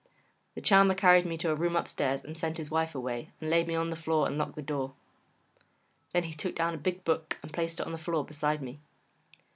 The Charmer carried me to a room upstairs and sent his wife away, and laid me on the floor and locked the door. Then he took down a big book and placed it on the floor beside me.